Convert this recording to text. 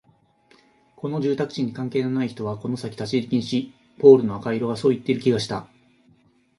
この住宅地に関係のない人はこの先立ち入り禁止、ポールの赤色がそう言っている気がした